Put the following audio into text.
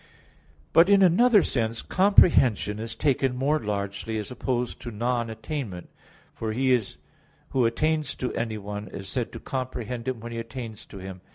But in another sense "comprehension" is taken more largely as opposed to "non attainment"; for he who attains to anyone is said to comprehend him when he attains to him.